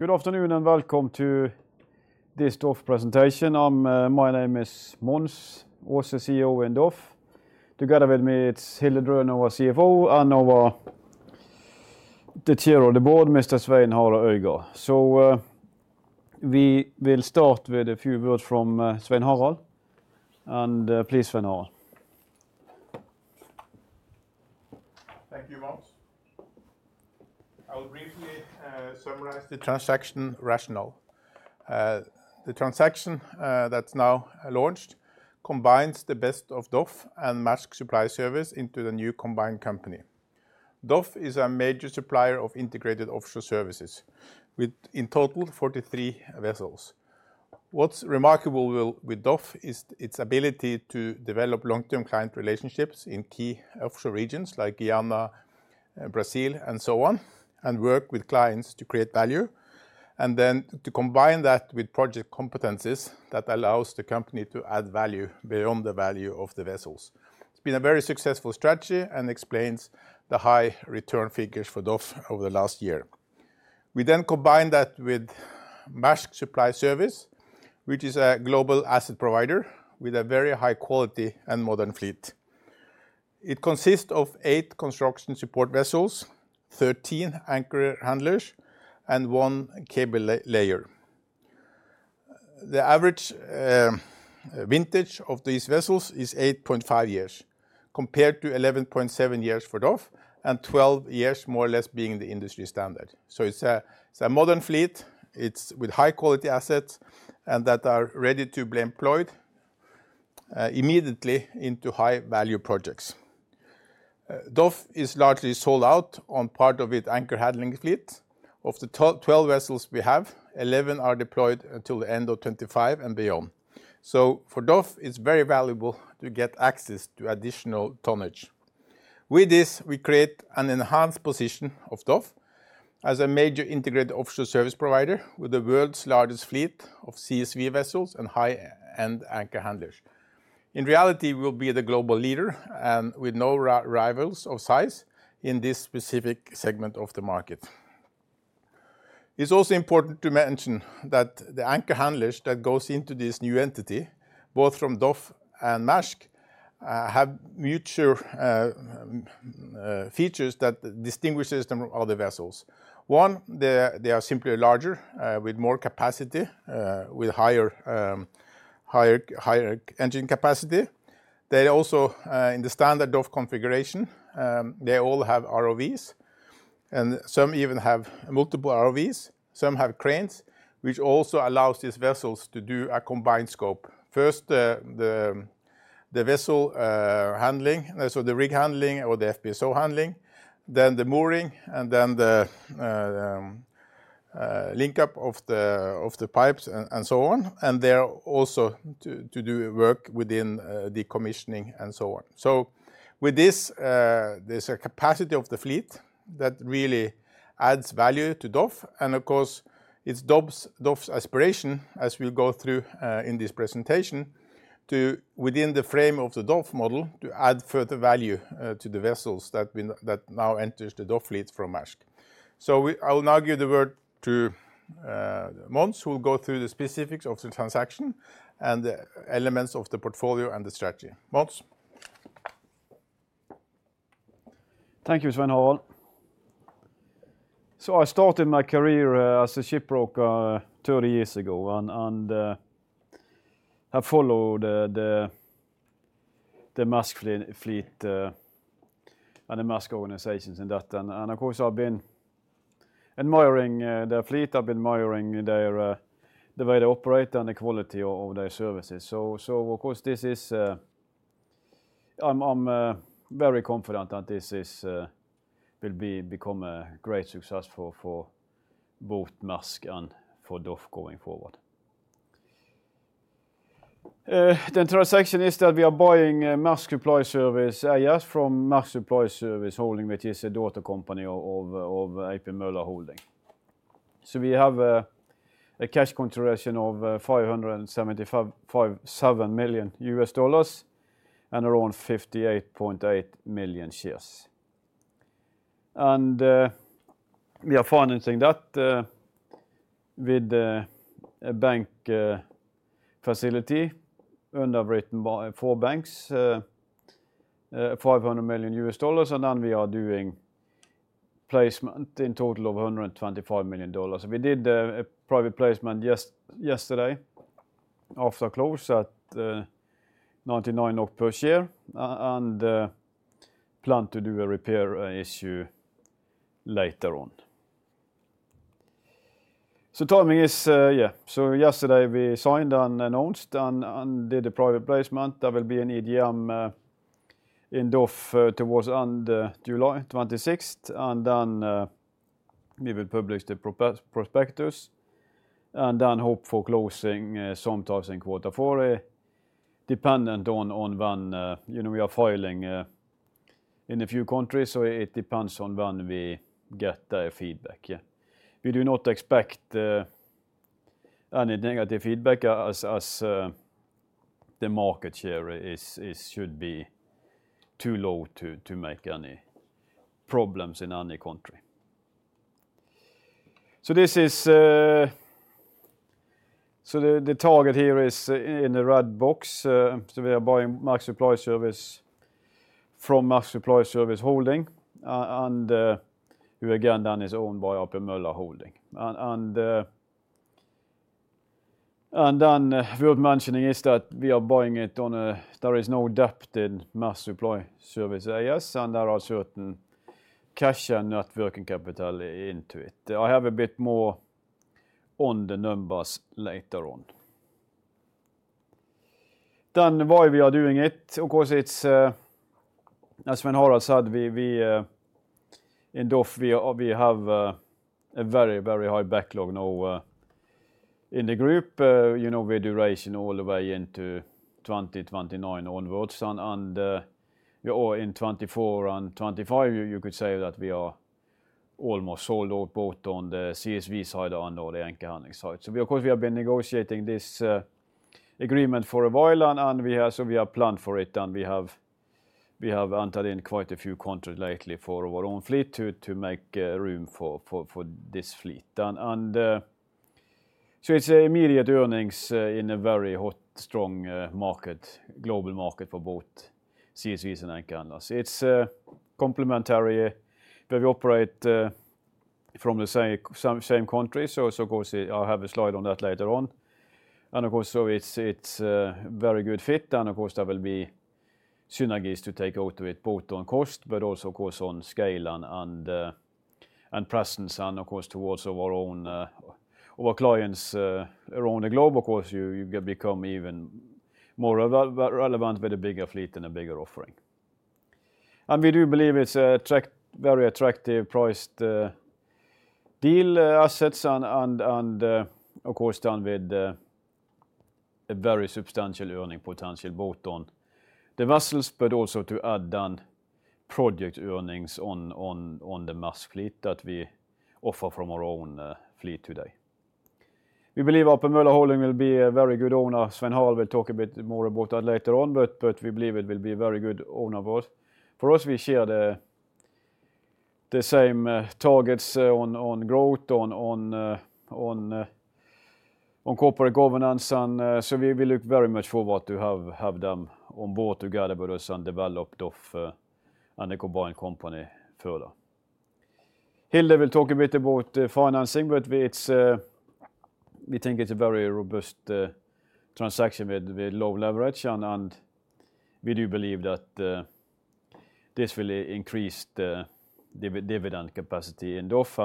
Good afternoon and welcome to this DOF presentation. My name is Mons Aase CEO of DOF. Together with me, it's Hilde Drønen, our CFO, and the chair of the board, Mr. Svein Harald Øygard. So, we will start with a few words from Svein Harald, and please, Svein Harald. Thank you, Mons. I will briefly summarize the transaction rationale. The transaction that's now launched combines the best of DOF and Maersk Supply Service into the new combined company. DOF is a major supplier of integrated offshore services, with in total 43 vessels. What's remarkable with DOF is its ability to develop long-term client relationships in key offshore regions like Guyana, Brazil, and so on, and work with clients to create value, and then to combine that with project competencies that allows the company to add value beyond the value of the vessels. It's been a very successful strategy and explains the high return figures for DOF over the last year. We then combine that with Maersk Supply Service, which is a global asset provider with a very high quality and modern fleet. It consists of eight construction support vessels, 13 anchor handlers, and one cable layer. The average vintage of these vessels is 8.5 years, compared to 11.7 years for DOF and 12 years, more or less, being the industry standard. So it's a modern fleet. It's with high quality assets and that are ready to be employed immediately into high value projects. DOF is largely sold out on part of its anchor handling fleet. Of the twelve vessels we have, eleven are deployed until the end of 2025 and beyond. So for DOF, it's very valuable to get access to additional tonnage. With this, we create an enhanced position of DOF as a major integrated offshore service provider with the world's largest fleet of CSV vessels and high-end anchor handlers. In reality, we'll be the global leader, and with no rivals of size in this specific segment of the market. It's also important to mention that the anchor handlers that goes into this new entity, both from DOF and Maersk, have mutual features that distinguishes them from other vessels. One, they are simply larger with more capacity with higher higher higher engine capacity. They also in the standard DOF configuration they all have ROVs, and some even have multiple ROVs. Some have cranes, which also allows these vessels to do a combined scope. First, the vessel handling, so the rig handling or the FPSO handling, then the mooring, and then the linkup of the pipes and so on. And they're also to do work within decommissioning and so on. So with this, there's a capacity of the fleet that really adds value to DOF, and of course, it's DOF's, DOF's aspiration, as we'll go through, in this presentation, to within the frame of the DOF model, to add further value, to the vessels that we... that now enters the DOF fleet from Maersk. I will now give the word to, Mons, who will go through the specifics of the transaction and the elements of the portfolio and the strategy. Mons? Thank you, Svein Harald. So I started my career as a shipbroker 30 years ago and have followed the Maersk fleet and the Maersk organizations and that, and of course, I've been admiring their fleet. I've been admiring the way they operate and the quality of their services. So of course, this is... I'm very confident that this will become a great success for both Maersk and for DOF going forward. The transaction is that we are buying Maersk Supply Service, yes, from Maersk Supply Service Holding, which is a daughter company of A.P. Møller Holding. So we have a cash consideration of $575 million and around 58.8 million shares. We are financing that with a bank facility underwritten by four banks, $500 million, and then we are doing a placement in total of $125 million. We did a private placement just yesterday after close at 99 NOK per share, and plan to do a rights issue later on. So timing is, yeah, so yesterday we signed and announced and did a private placement. There will be an EGM in DOF towards end July 26, and then we will publish the prospectus, and then hope for closing sometimes in quarter four, dependent on when, you know, we are filing in a few countries, so it depends on when we get the feedback, yeah. We do not expect... Any negative feedback as the market share should be too low to make any problems in any country. So this is the target here in the red box. So we are buying Maersk Supply Service from Maersk Supply Service Holding, and then worth mentioning is that we are buying it on a, there is no debt in Maersk Supply Service A/S, and there are certain cash and net working capital into it. I have a bit more on the numbers later on. Then why we are doing it? Of course, it's as Svein Harald said, we in DOF we have a very, very high backlog now in the group. You know, we do racing all the way into 2029 onwards, and we are in 2024 and 2025. You could say that we are almost sold out both on the CSV side and on the anchor handling side. So we, of course, we have been negotiating this agreement for a while, and we have, so we have planned for it, and we have, we have entered in quite a few contracts lately for our own fleet to make room for this fleet. And so it's immediate earnings in a very hot, strong market, global market for both CSVs and anchor handlers. It's complementary, where we operate from the same country. So of course, I have a slide on that later on. And of course, so it's a very good fit, and of course, there will be synergies to take out of it, both on cost, but also of course, on scale and, and, and presence and of course, towards our own, our clients, around the globe. Of course, you become even more relevant with a bigger fleet and a bigger offering. And we do believe it's a very attractive priced deal, assets and, and, and, of course, done with a very substantial earning potential, both on the vessels, but also to add on project earnings on, on, on the Maersk fleet that we offer from our own, fleet today. We believe A.P. Møller Holding will be a very good owner. Svein will talk a bit more about that later on, but we believe it will be a very good owner of us. For us, we share the same targets on growth, on corporate governance, and so we look very much forward to have them on board together with us and develop DOF, and a combined company further. Hilde will talk a bit about the financing, but we think it's a very robust transaction with low leverage, and we do believe that this will increase the dividend capacity in DOF,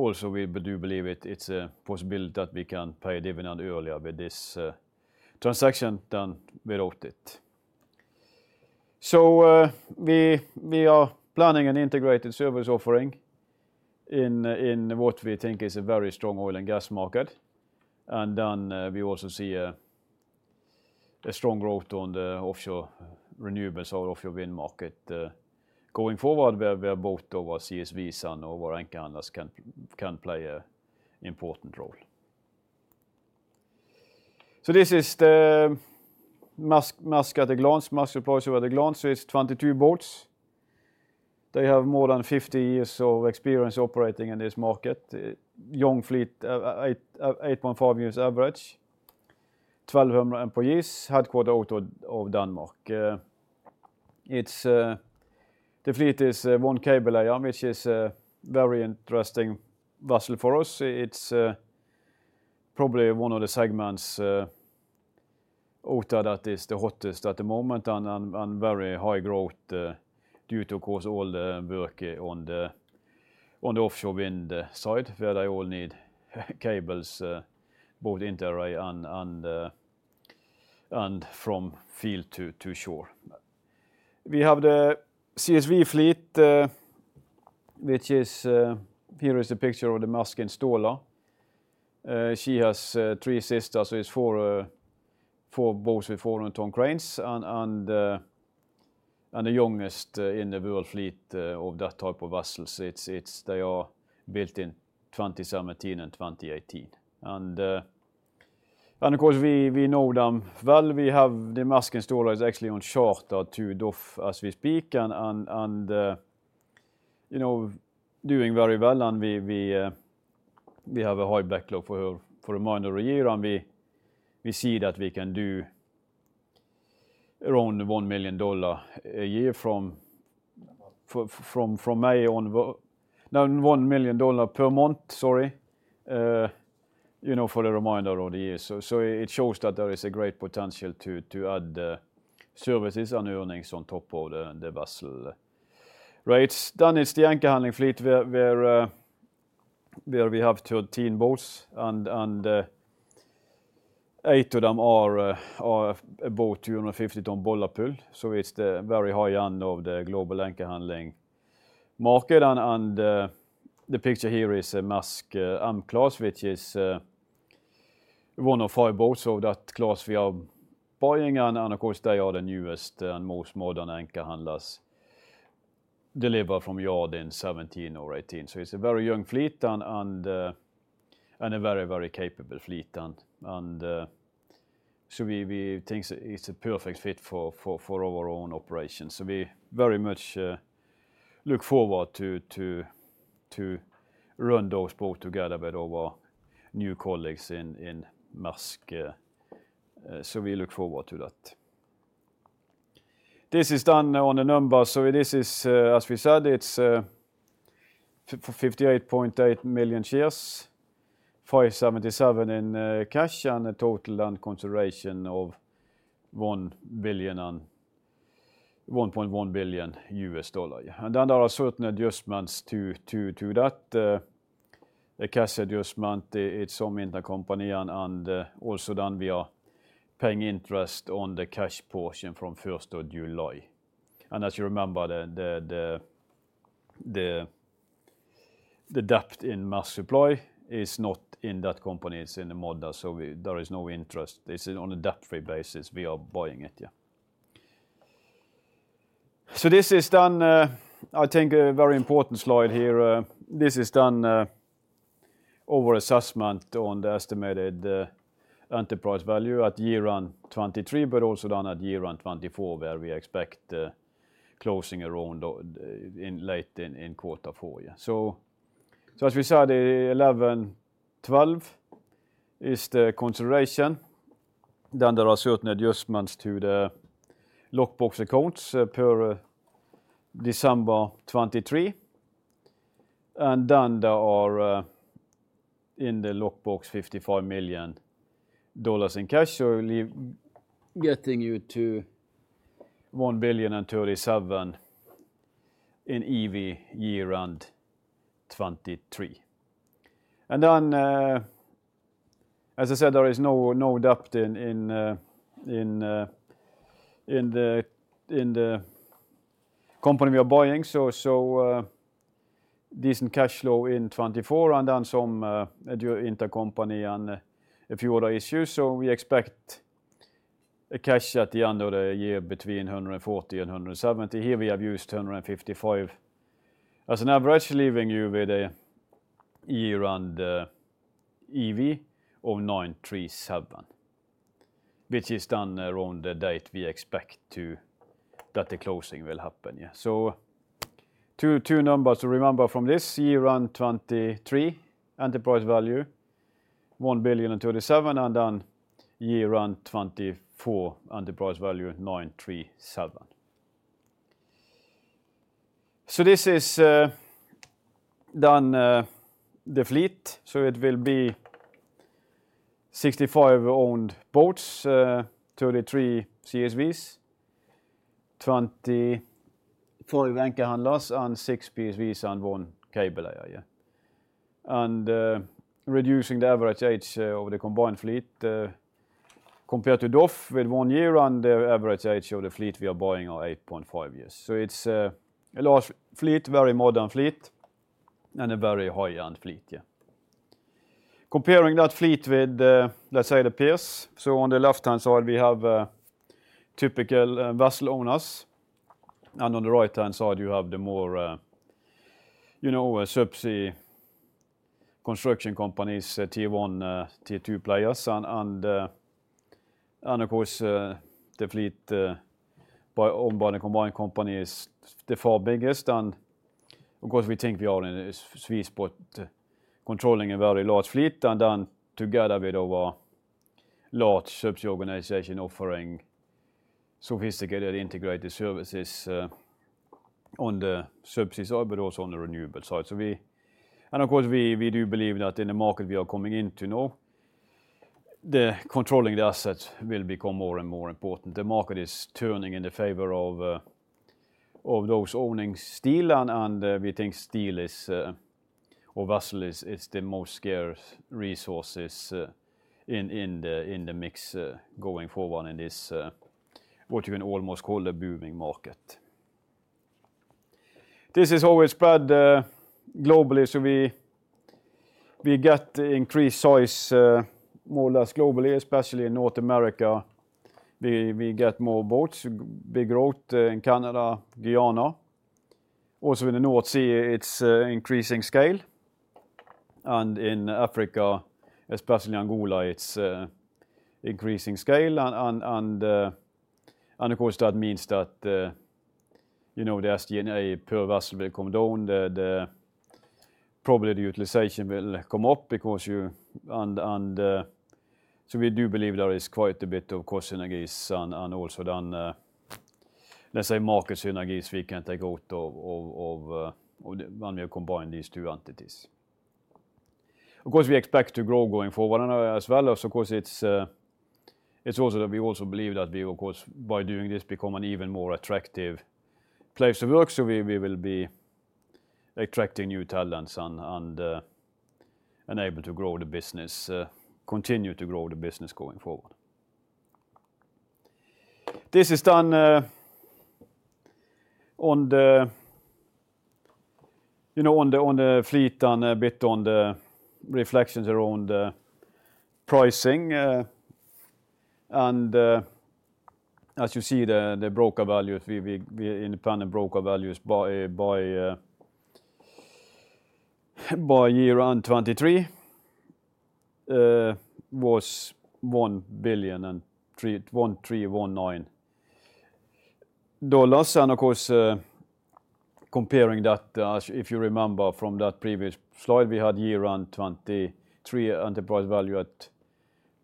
and also we do believe it's a possibility that we can pay a dividend earlier with this transaction done without it. So, we are planning an integrated service offering in what we think is a very strong oil and gas market. And then, we also see a strong growth on the offshore renewables or offshore wind market, going forward, where both our CSVs and our anchor handlers can play an important role. So this is the Maersk at a glance, Maersk Supply Service at a glance. So it's 22 boats. They have more than 50 years of experience operating in this market. Young fleet, 8.5 years average, 1,200 employees, headquartered out of Denmark. It's the fleet is one cable layer, which is a very interesting vessel for us. It's probably one of the segments out there that is the hottest at the moment, and very high growth due to, of course, all the work on the offshore wind side, where they all need cables, both inter-array and from field to shore. We have the CSV fleet, which is... Here is a picture of the Maersk Installer. She has three sisters, so it's four boats with 400-ton cranes and the youngest in the world fleet of that type of vessels. It's-- they are built in 2017 and 2018. And of course, we know them well. We have the Maersk Installer is actually on charter to DOF as we speak, and, and, you know, doing very well, and we, we, we have a high backlog for, for the remainder of the year, and we, we see that we can do around $1 million a year from, from, from May onward. No, $1 million per month, sorry, you know, for the remainder of the year. So, so it shows that there is a great potential to, to add, services and earnings on top of the, the vessel. Right. Then it's the anchor handling fleet, where, where, where we have 13 boats and, and, eight of them are, are about 250-ton bollard pull, so it's the very high end of the global anchor handling market. The picture here is a Maersk M class, which is one of five boats of that class we are buying. Of course, they are the newest and most modern anchor handlers delivered from yard in 2017 or 2018. So it's a very young fleet and a very capable fleet. So we think it's a perfect fit for our own operations. So we very much look forward to run those boat together with our new colleagues in Maersk, so we look forward to that. This is done on the numbers. So this is, as we said, it's 58.8 million shares, $577 million in cash, and a total consideration of $1 billion and $1.1 billion. Yeah. Then there are certain adjustments to that, the cash adjustment, it's some intercompany and, also then we are paying interest on the cash portion from first of July. And as you remember, the debt in Maersk Supply is not in that company, it's in the Møller, so there is no interest. This is on a debt-free basis, we are buying it, yeah. So this is then, I think a very important slide here. This is done, over assessment on the estimated, enterprise value at year-end 2023, but also done at year-end 2024, where we expect, closing around, in late in quarter four, yeah. So, as we said, 11.12 is the consideration. Then there are certain adjustments to the lock-box accounts, per December 2023. And then there are in the lock box $55 million in cash, so getting you to $1.037 billion in EV year-end 2023. And then, as I said, there is no debt in the company we are buying. So, decent cash flow in 2024, and then some intercompany and a few other issues. So we expect cash at the end of the year between $140 million and $170 million. Here, we have used $155 million as an average, leaving you with a year-end EV of $937 million, which is done around the date we expect to that the closing will happen, yeah. So, two numbers to remember from this: year-end 2023, enterprise value, $1.037 billion, and then year-end 2024, enterprise value, $937 million. So this is done the fleet. So it will be 65 owned boats, 33 CSVs, 24 anchor handlers and 6 PSVs and 1 cable layer, yeah. And reducing the average age of the combined fleet compared to DOF with 1 year, and the average age of the fleet we are buying are 8.5 years. So it's a large fleet, very modern fleet, and a very high-end fleet, yeah. Comparing that fleet with, let's say, the peers. So on the left-hand side, we have a typical vessel owners, and on the right-hand side, you have the more, you know, subsea construction companies, tier one, tier two players. Of course, the fleet owned by the combined company is by far the biggest. Of course, we think we are in a sweet spot, controlling a very large fleet, and then together with our large subsea organization, offering sophisticated integrated services on the subsea side, but also on the renewable side. So we... Of course, we do believe that in the market we are coming into now, controlling the assets will become more and more important. The market is turning in the favor of those owning steel, and we think steel is or vessel is the most scarce resources in the mix going forward in this what you can almost call a booming market. This is how we spread globally. So we get the increased size, more or less globally, especially in North America. We get more boats, big growth in Canada, Guyana. Also in the North Sea, it's increasing scale, and in Africa, especially Angola, it's increasing scale. And of course, that means that, you know, the SG&A per vessel will come down. Probably, the utilization will come up because you and so we do believe there is quite a bit of cost synergies and also then, let's say, market synergies we can take out of, when we combine these two entities. Of course, we expect to grow going forward and as well as, of course, it's also that we also believe that we, of course, by doing this, become an even more attractive place to work. So we will be attracting new talents and able to grow the business, continue to grow the business going forward. This is done on the fleet and a bit on the reflections around the pricing. As you see, the broker values, we independent broker values by year-end 2023 was $1.319 billion. And of course, comparing that, as if you remember from that previous slide, we had year-end 2023 enterprise value at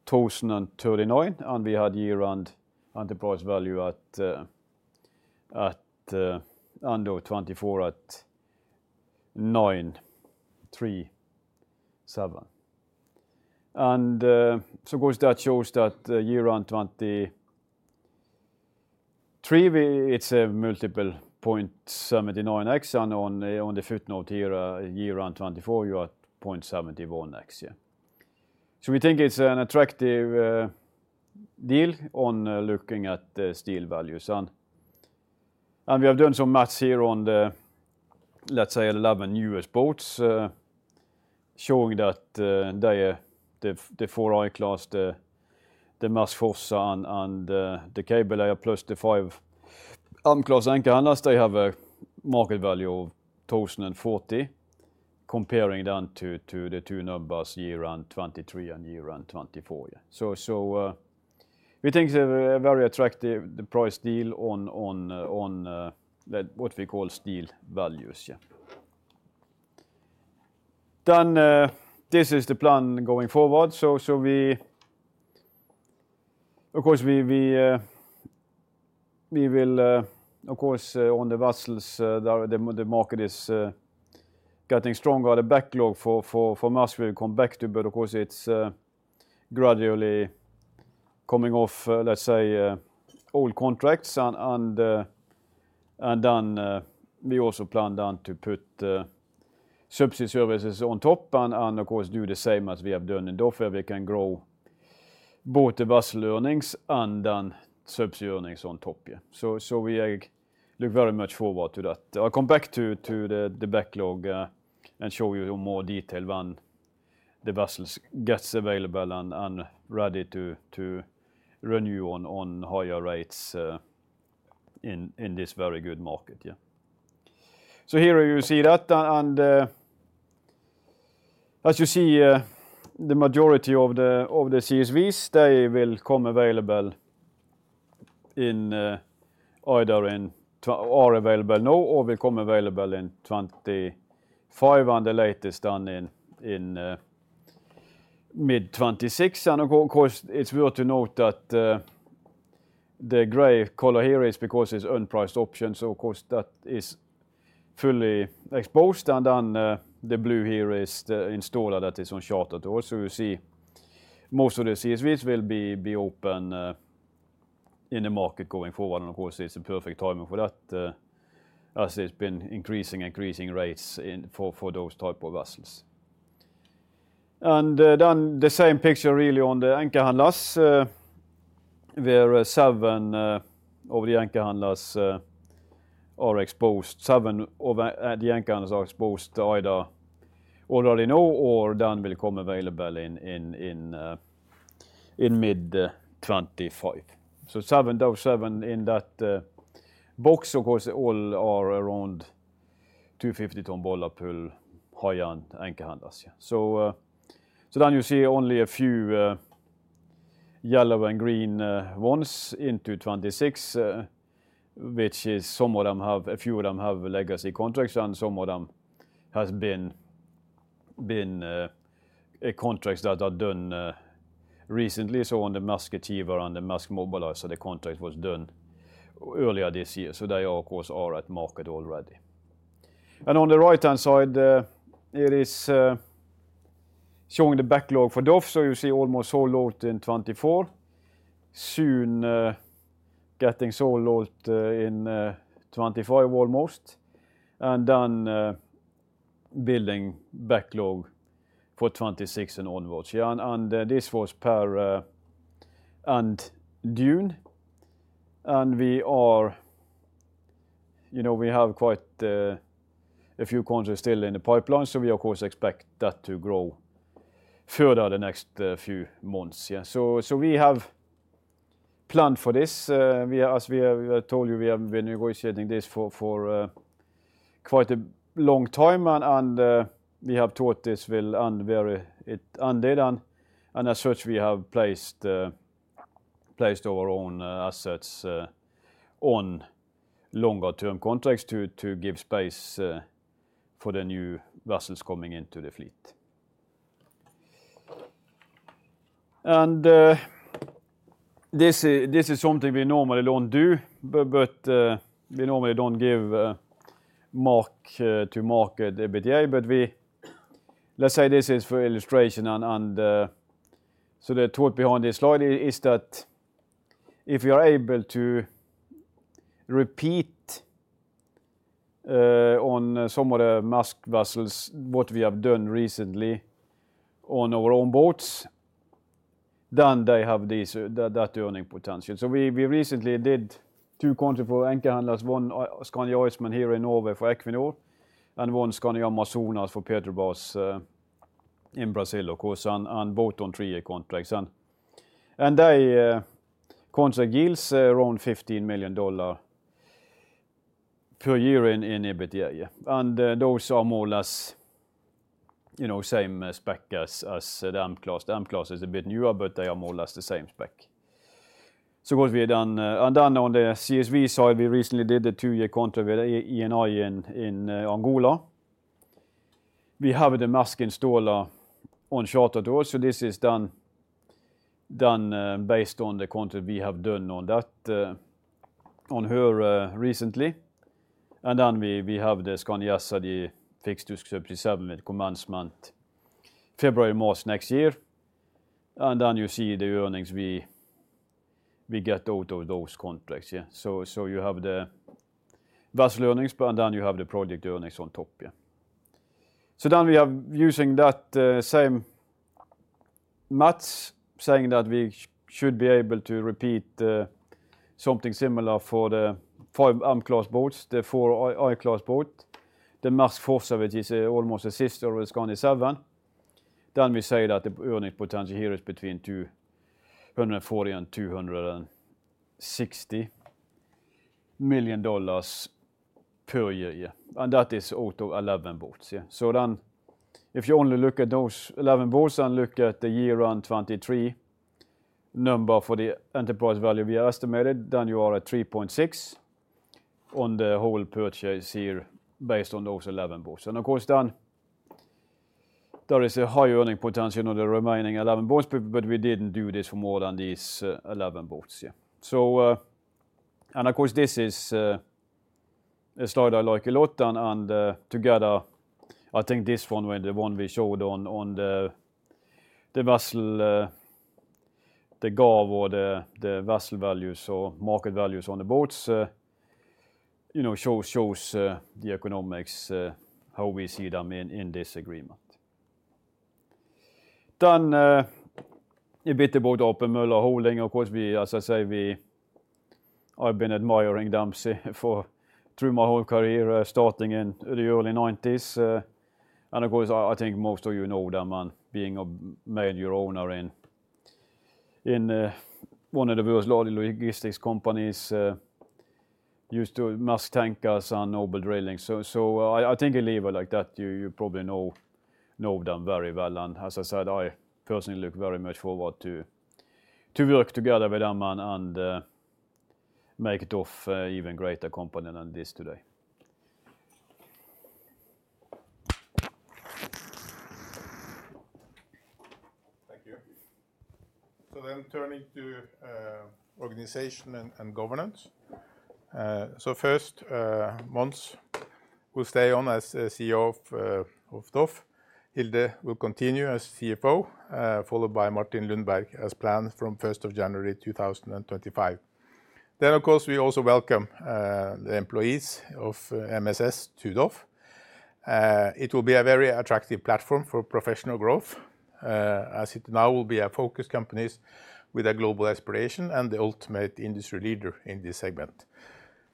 $2,039 million, and we had year-end enterprise value at end of 2024 at $937 million. So of course, that shows that year-end 2023, we, it's a multiple 0.79x, and on the footnote here, year-end 2024, you are at 0.71x, yeah. So we think it's an attractive deal on looking at the steel values. And we have done some math here on the, let's say, 11 newest boats, showing that they are the four I-class, the Maersk Forza and the Cable plus the five M-class anchor handles, they have a market value of $2,040, comparing down to the two numbers, year-end 2023 and year-end 2024. Yeah. So we think they're very attractive, the price deal on the what we call steel values. Yeah. Then this is the plan going forward. So we... Of course, we will, of course, on the vessels, the market is getting stronger. The backlog for Maersk will come back to, but of course, it's gradually coming off, let's say, old contracts and then we also plan then to put subsea services on top and of course do the same as we have done in DOF. We can grow both the vessel earnings and then subsea earnings on top, yeah. So we look very much forward to that. I'll come back to the backlog and show you in more detail when the vessels gets available and ready to renew on higher rates in this very good market. Yeah. So here you see that, and as you see, the majority of the CSVs will come available either now or in 2025, and the latest in mid-2026. And of course, it's worth to note that the gray color here is because it's unpriced options, so of course, that is fully exposed. And then the blue here is the installer that is on charter to us. So you see, most of the CSVs will be open in the market going forward. And of course, it's a perfect timing for that, as it's been increasing and increasing rates for those type of vessels. And then the same picture really on the anchor handlers, where seven of the anchor handlers are exposed. Seven of the anchor handlers are exposed either already now or then will come available in mid 2025. So seven out of seven in that box, of course, all are around 250-ton bollard pull high end anchor handlers. Yeah. So then you see only a few yellow and green ones into 2026, which is some of them have a few of them have legacy contracts, and some of them has been contracts that are done recently. So on the Maersk Teal and the Maersk Mobiliser, so the contract was done earlier this year, so they of course are at market already. And on the right-hand side, it is showing the backlog for DOF. So you see almost sold out in 2024. Soon getting sold out in 2025, almost. And then building backlog for 2026 and onwards. Yeah, and this was per end June, and we are... You know, we have quite a few contracts still in the pipeline, so we of course expect that to grow further the next few months. Yeah. So we have planned for this. We are, as we have told you, we have been negotiating this for quite a long time, and we have thought this will end very, it ended on. And as such, we have placed our own assets on longer term contracts to give space for the new vessels coming into the fleet. This is something we normally don't do, but we normally don't give mark-to-market the EBITDA. But let's say this is for illustration, and so the thought behind this slide is that if you are able to repeat on some of the Maersk vessels what we have done recently on our own boats, then they have these that earning potential. So we recently did two contracts for anchor handlers, one Skandi Iceman here in Norway for Equinor, and one Skandi Amazonas for Petrobras in Brazil, of course, and they contract yields around $15 million per year in EBITDA, yeah. And those are more or less, you know, same spec as the M class. The M class is a bit newer, but they are more or less the same spec. So what we then. And then on the CSV side, we recently did a two-year contract with Eni in Angola. We have the Maersk Installer on charter too, so this is done, done, based on the contract we have done on that, on her, recently. And then we have the Skandi Skansen fixed to Subsea with commencement February, March next year. And then you see the earnings we get out of those contracts, yeah. So, so you have the vessel earnings plan, then you have the project earnings on top, yeah. So then we are using that same maths, saying that we should be able to repeat something similar for the five M class boats, the four I class boat. The Maersk Forza, which is almost a sister of Skandi Seven. Then we say that the earnings potential here is between $240 million and $260 million per year, yeah. And that is out of 11 boats, yeah. So then if you only look at those 11 boats and look at the year-end 2023 number for the enterprise value we estimated, then you are at 3.6 on the whole purchase here based on those 11 boats. And of course, then there is a high earning potential on the remaining 11 boats, but we didn't do this for more than these 11 boats, yeah. So, and of course, this is a slide I like a lot, and together, I think this one was the one we showed on the vessel values or market values on the boats. You know, shows the economics how we see them in this agreement. Then, a bit about A.P. Møller Holding. Of course, as I say, I've been admiring them since for through my whole career, starting in the early nineties. And of course, I think most of you know them, and being a major owner in one of the world's largest logistics companies, used to Maersk Tankers and Noble Drilling. So, I think a level like that, you probably know them very well. As I said, I personally look very much forward to work together with them and make it of even greater company than this today. Thank you. So then turning to organization and governance. So first, Mons will stay on as CEO of DOF. Hilde will continue as CFO, followed by Martin Lundberg as planned from first of January 2025. Then, of course, we also welcome the employees of MSS to DOF. It will be a very attractive platform for professional growth, as it now will be a focused company with a global aspiration and the ultimate industry leader in this segment.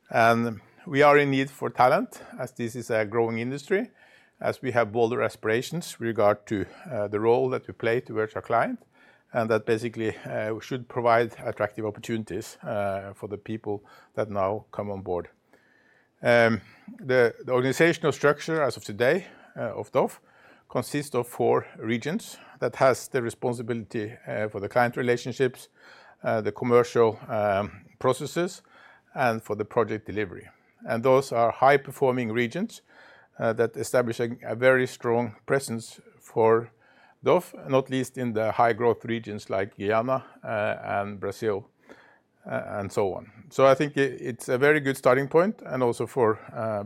And we are in need for talent, as this is a growing industry, as we have bolder aspirations regarding the role that we play towards our client, and that basically we should provide attractive opportunities for the people that now come on board. The organizational structure as of today of DOF consists of four regions that has the responsibility for the client relationships, the commercial processes, and for the project delivery. And those are high-performing regions that establish a very strong presence for DOF, not least in the high-growth regions like Guyana and Brazil and so on. So I think it's a very good starting point and also for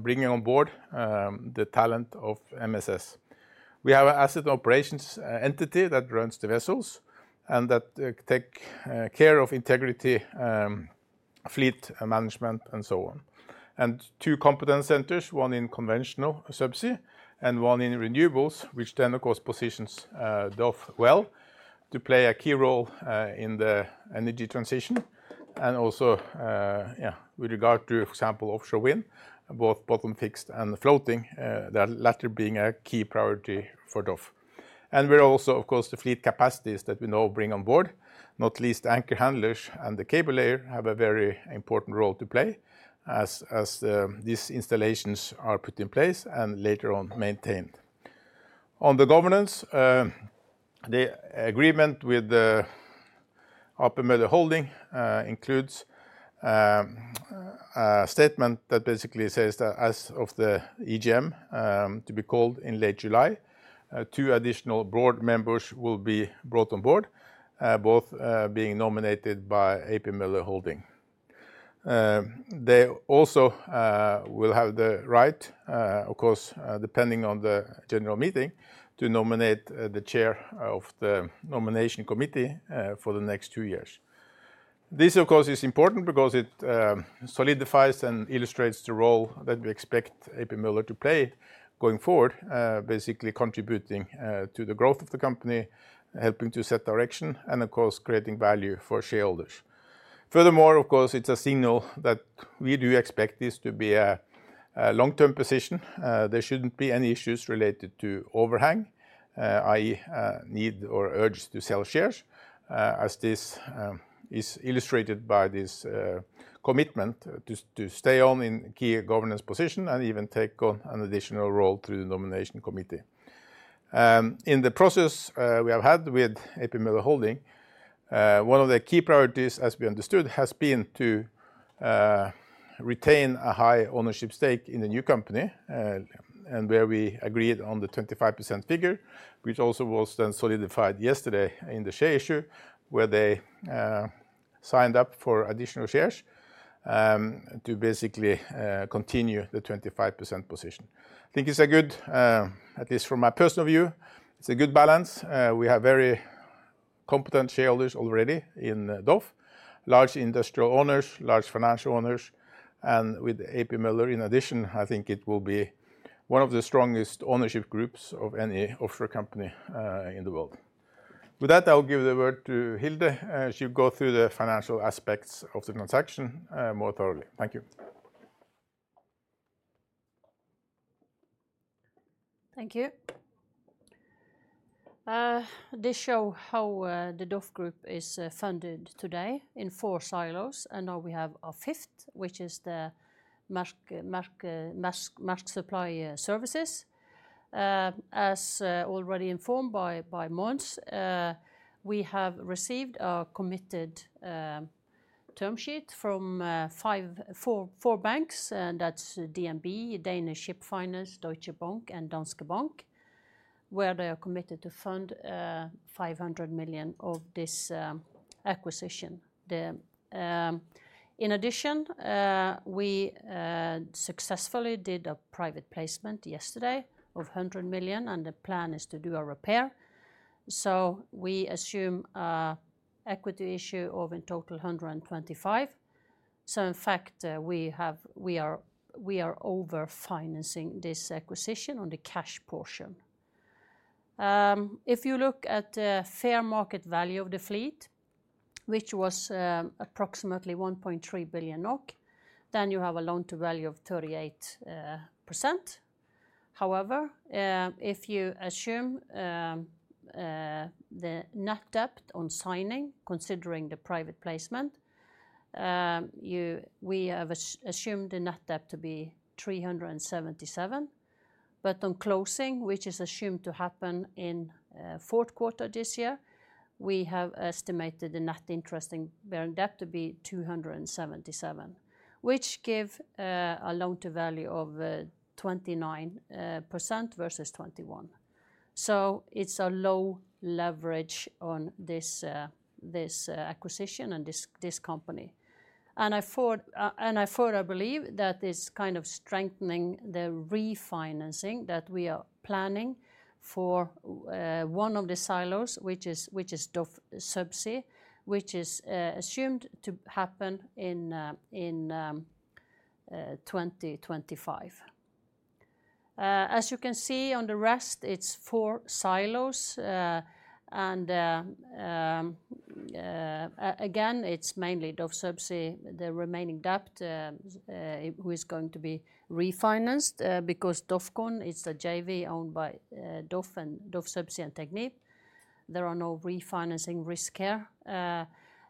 bringing on board the talent of MSS. We have an asset operations entity that runs the vessels and that take care of integrity, fleet management, and so on. And two competence centers, one in conventional subsea and one in renewables, which then of course positions DOF well to play a key role in the energy transition. And also, with regard to, for example, offshore wind, both bottom fixed and floating, the latter being a key priority for DOF. And we're also, of course, the fleet capacities that we now bring on board, not least anchor handlers and the cable layer, have a very important role to play as these installations are put in place and later on maintained. On the governance, the agreement with the A.P. Møller Holding includes a statement that basically says that as of the EGM, to be called in late July, two additional board members will be brought on board, both being nominated by A.P. Møller Holding. They also will have the right, of course, depending on the general meeting, to nominate the chair of the nomination committee for the next two years.... This, of course, is important because it solidifies and illustrates the role that we expect A.P. Møller to play going forward, basically contributing to the growth of the company, helping to set direction, and of course, creating value for shareholders. Furthermore, of course, it's a signal that we do expect this to be a long-term position. There shouldn't be any issues related to overhang, i.e., need or urge to sell shares, as this is illustrated by this commitment to stay on in key governance position and even take on an additional role through the nomination committee. In the process, we have had with A.P. Møller. Møller Holding, one of the key priorities, as we understood, has been to retain a high ownership stake in the new company, and where we agreed on the 25% figure, which also was then solidified yesterday in the share issue, where they signed up for additional shares to basically continue the 25% position. I think it's a good, at least from my personal view, it's a good balance. We have very competent shareholders already in DOF, large industrial owners, large financial owners, and with A.P. Møller, in addition, I think it will be one of the strongest ownership groups of any offshore company in the world. With that, I'll give the word to Hilde, as she go through the financial aspects of the transaction more thoroughly. Thank you. Thank you. This shows how the DOF Group is funded today in four silos, and now we have a fifth, which is the Maersk Supply Service. As already informed by Mons, we have received a committed term sheet from four banks, and that's DNB, Danish Ship Finance, Deutsche Bank, and Danske Bank, where they are committed to fund $500 million of this acquisition. In addition, we successfully did a private placement yesterday of $100 million, and the plan is to do a rights issue. So we assume a equity issue of in total 125. So in fact, we are over-financing this acquisition on the cash portion. If you look at the fair market value of the fleet, which was approximately 1.3 billion NOK, then you have a loan to value of 38%. However, if you assume the net debt on signing, considering the private placement, you, we have assumed the net debt to be 377 million, but on closing, which is assumed to happen in fourth quarter this year, we have estimated the net interest bearing debt to be 277 million, which give a loan to value of 29% versus 21. So it's a low leverage on this acquisition and this company. I thought, and I further believe that this kind of strengthening the refinancing that we are planning for, one of the silos, which is, which is DOF Subsea, which is, assumed to happen in 2025. As you can see on the rest, it's four silos, and, again, it's mainly DOF Subsea, the remaining debt, who is going to be refinanced, because DOFCON is a JV owned by DOF and DOF Subsea and Technip. There are no refinancing risk here.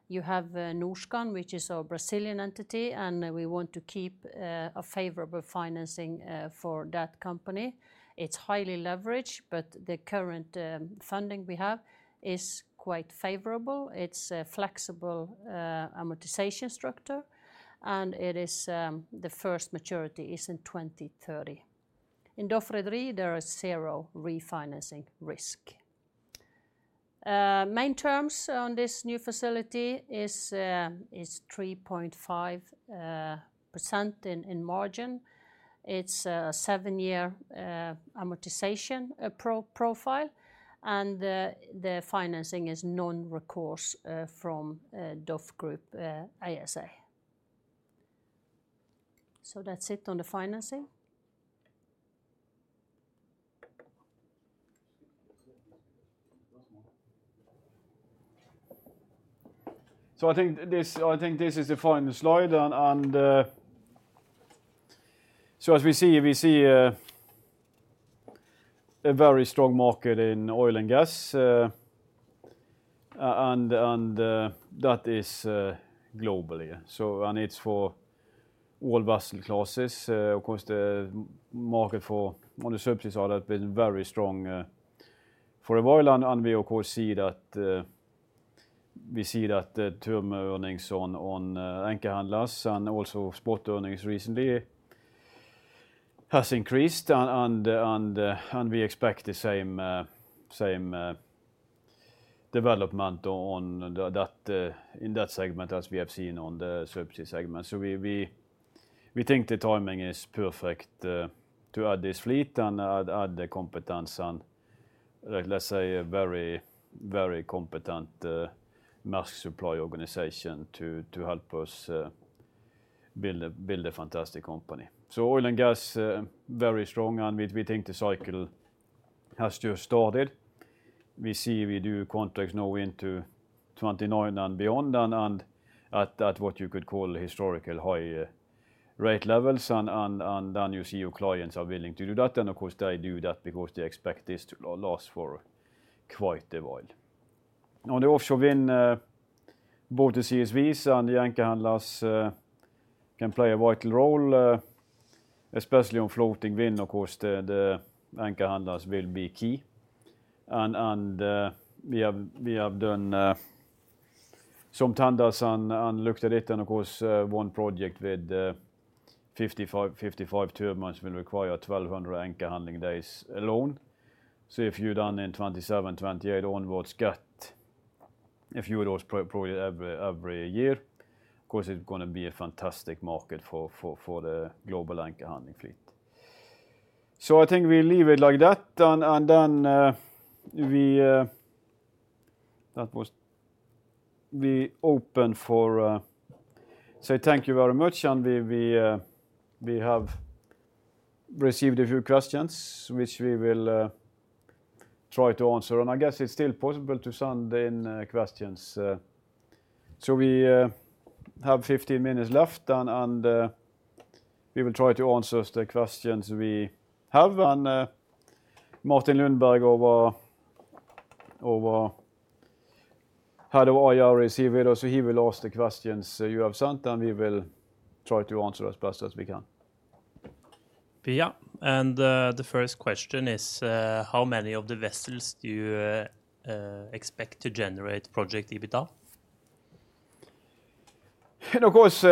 You have Norskan, which is our Brazilian entity, and we want to keep a favorable financing for that company. It's highly leveraged, but the current funding we have is quite favorable It's a flexible amortization structure, and it is the first maturity is in 2030. In DOF Rederi, there are zero refinancing risk. Main terms on this new facility is 3.5% in margin. It's a 7-year amortization profile, and the financing is non-recourse from DOF Group ASA. So that's it on the financing. So I think this is the final slide, and... So as we see, a very strong market in oil and gas, and that is globally. So and it's for all vessel classes, across the market for on the subsea side, have been very strong, for a while, and we of course see that, we see that the term earnings on anchor handlers and also spot earnings recently has increased and we expect the same development on that, in that segment as we have seen on the subsea segment. So we think the timing is perfect, to add this fleet and add the competence and-... like, let's say, a very, very competent Maersk Supply organization to help us build a fantastic company. So oil and gas, very strong, and we think the cycle has just started. We see we do contracts now into 2029 and beyond, and at what you could call historical high rate levels. And then you see your clients are willing to do that, and of course, they do that because they expect this to last for quite a while. On the offshore wind, both the CSVs and the anchor handlers can play a vital role, especially on floating wind. Of course, the anchor handlers will be key. We have done some tenders and looked at it, and of course, one project with 55, 55 turbines will require 1,200 anchor handling days alone. So if you done in 2027, 2028, onwards get a few of those projects every year, of course, it's gonna be a fantastic market for the global anchor handling fleet. So I think we leave it like that, and then we... That was it. We are open for... So thank you very much, and we have received a few questions, which we will try to answer. And I guess it's still possible to send in questions. So we have 15 minutes left, and we will try to answer the questions we have. Martin Lundberg, our head of IR, is here with us, so he will ask the questions you have sent, and we will try to answer as best as we can. Yeah, and the first question is, how many of the vessels do you expect to generate project EBITDA? Of course,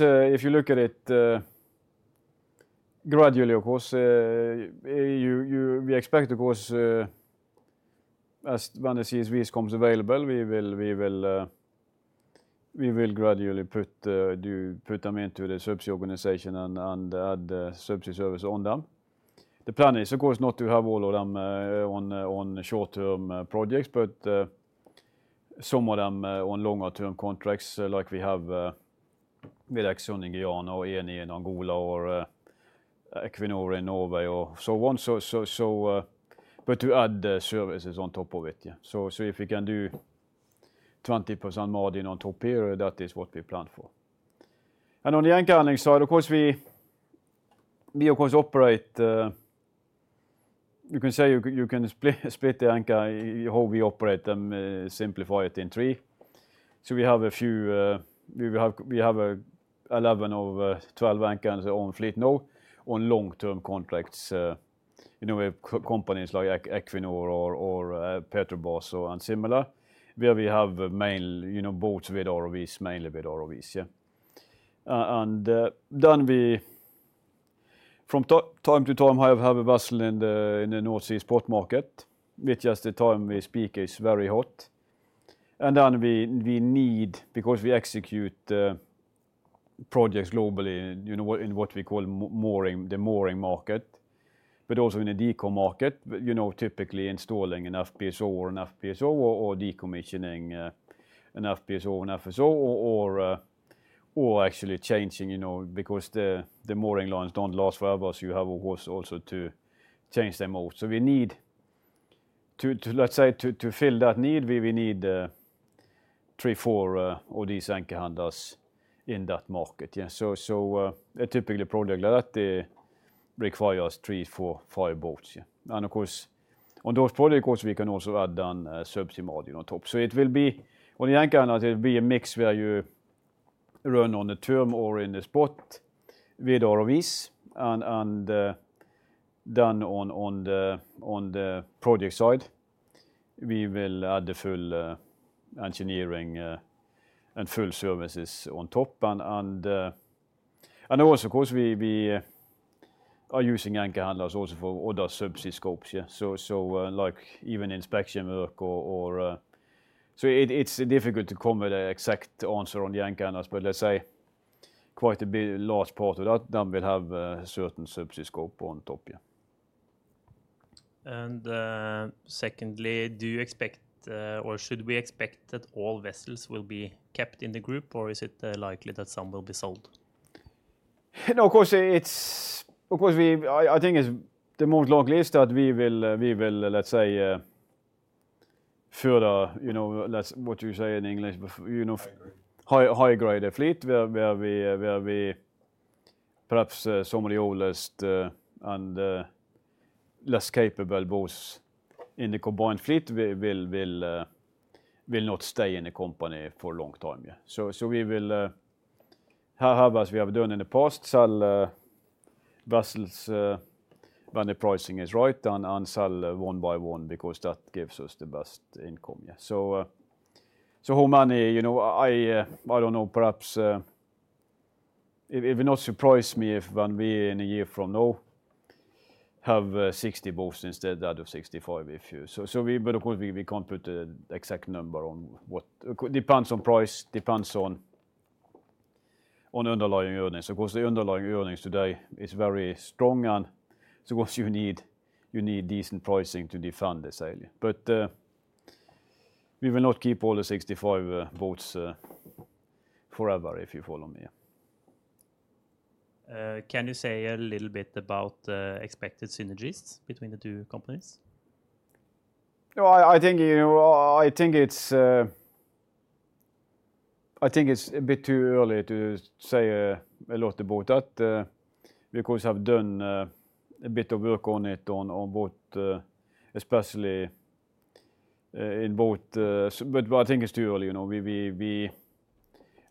if you look at it gradually, we expect, as when the CSVs comes available, we will gradually put them into the subsea organization and add the subsea services on them. The plan is of course not to have all of them on short-term projects, but some of them on longer-term contracts, like we have with Exxon in Guyana or Eni in Angola, or Equinor in Norway or so on. So, but to add the services on top of it, yeah. So if we can do 20% margin on top here, that is what we plan for. And on the anchor handling side, of course, we of course operate. You can say you can split the anchor, how we operate them, simplify it in three. So we have a few, we have 11 of 12 anchors on fleet now, on long-term contracts, you know, with companies like Equinor or Petrobras and similar, where we have main, you know, boats with ROVs, mainly with ROVs, yeah. And then we from time to time have a vessel in the North Sea spot market, which as the time we speak is very hot. And then we need, because we execute projects globally, you know, in what we call mooring, the mooring market, but also in the deco market, you know, typically installing an FPSO or an FPSO, or decommissioning an FPSO, an FSO, or actually changing, you know, because the mooring lines don't last forever, so you have of course also to change them out. So we need to, let's say, to fill that need, we need 3, 4 of these anchor handlers in that market. Yeah, so a typically project like that requires 3, 4, 5 boats, yeah. And of course, on those projects, of course, we can also add on subsea margin on top. So it will be, on the anchor handler, it will be a mix where you run on the term or in the spot with ROVs, and then on the project side, we will add the full engineering and full services on top. And also, of course, we are using anchor handlers also for other subsea scopes, yeah. So like even inspection work or... So it, it's difficult to come with an exact answer on the anchor handlers, but let's say quite a bit, large part of that, then we'll have certain subsea scope on top, yeah. Secondly, do you expect, or should we expect that all vessels will be kept in the group, or is it likely that some will be sold? Of course, I think it's the most likely that we will, let's say, fill the, you know, let's what you say in English be high grade fleet, where we perhaps some of the oldest and less capable boats in the combined fleet will not stay in the company for a long time, yeah. So we will have, as we have done in the past, sell vessels when the pricing is right, and sell one by one because that gives us the best income, yeah. So how many? You know, I don't know, perhaps it will not surprise me if when we in a year from now have 60 boats instead out of 65, if you... So we- but of course, we can't put the exact number on what... It could- depends on price, depends on- on underlying earnings. Of course, the underlying earnings today is very strong, and so of course, you need, you need decent pricing to fund the sale. But, we will not keep all the 65 boats forever, if you follow me. Can you say a little bit about expected synergies between the two companies? Well, I think, you know, I think it's a bit too early to say a lot about that, because I've done a bit of work on it, on both, especially in both... But I think it's too early, you know?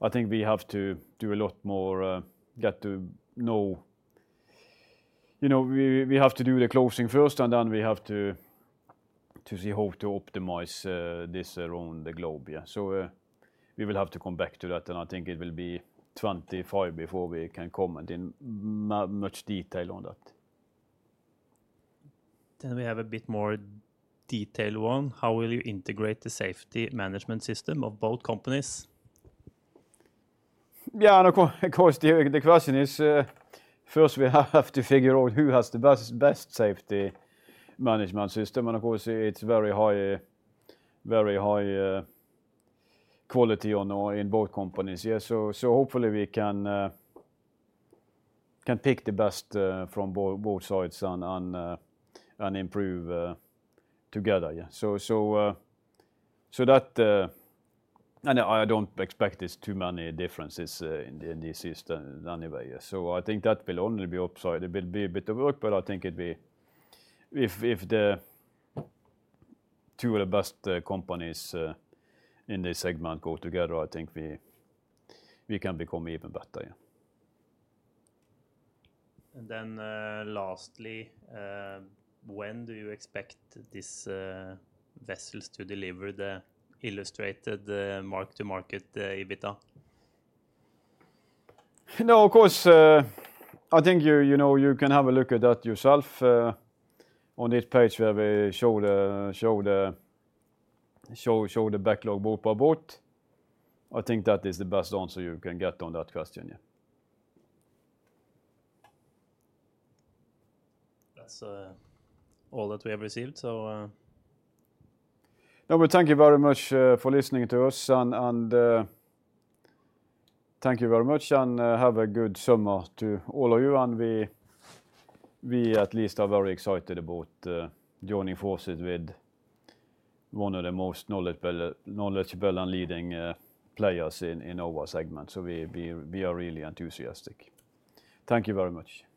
I think we have to do a lot more, get to know... You know, we have to do the closing first, and then we have to see how to optimize this around the globe, yeah. So, we will have to come back to that, and I think it will be 2025 before we can comment in much detail on that. We have a bit more detailed one. How will you integrate the safety management system of both companies? Yeah, and of course, the question is, first we have to figure out who has the best safety management system. And of course, it's very high quality in both companies. Yeah, so hopefully we can pick the best from both sides and improve together, yeah. So that... And I don't expect there's too many differences in the system anyway, yeah. So I think that will only be upside. It will be a bit of work, but I think it be... If the two of the best companies in this segment go together, I think we can become even better, yeah. And then, lastly, when do you expect these vessels to deliver the illustrated mark-to-market EBITDA? No, of course, I think you know you can have a look at that yourself on this page where we show the backlog boat by boat. I think that is the best answer you can get on that question, yeah. That's all that we have received, so- No, but thank you very much for listening to us, and thank you very much, and have a good summer to all of you. We at least are very excited about joining forces with one of the most knowledgeable and leading players in our segment, so we are really enthusiastic. Thank you very much.